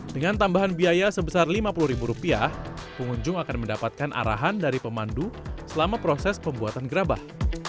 dengan tambahan biaya sebesar lima puluh ribu rupiah pengunjung akan mendapatkan arahan dari pemandu selama proses pembuatan gerabah